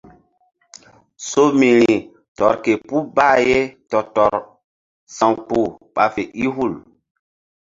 Somiri tɔr ke puh bah ye tɔ-tɔrsa̧wkpuh ɓa fe i hul.